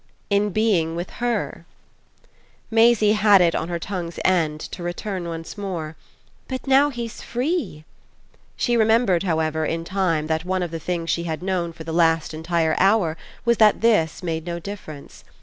"In being with her." Maisie had it on her tongue's end to return once more: "But now he's free." She remembered, however, in time that one of the things she had known for the last entire hour was that this made no difference.